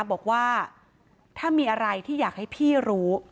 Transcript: บอกว่าถ้ามีอะไรที่อยากให้พี่รู้